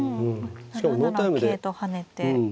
７七桂と跳ねて。